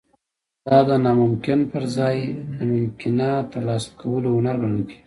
دا د ناممکن پرځای د ممکنه ترلاسه کولو هنر ګڼل کیږي